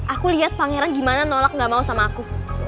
aku lihat pangeran gimana nolak gak mau sama aku